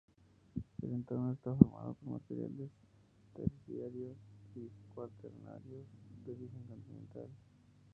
El entorno está formado por materiales terciarios y cuaternarios de origen continental.